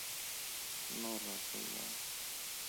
نور راته ووایه